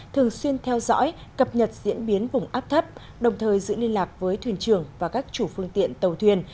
thường xuyên theo dõi cập nhật diễn biến vùng áp thấp đồng thời giữ liên lạc với thuyền trường và các chủ phương tiện tàu thuyền